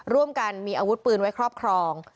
ร่วมกันมีอาวุธปืนไว้ครอบครอง